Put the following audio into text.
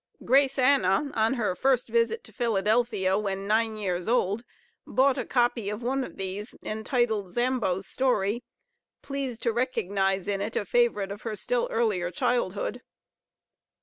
Grace Anna, on her first visit to Philadelphia, when nine years old, bought a copy of one of these, entitled "Zambo's Story," pleased to recognize in it a favorite of her still earlier childhood.